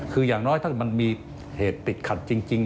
คืออย่างน้อยถ้าเกิดมันมีเหตุติดขัดจริง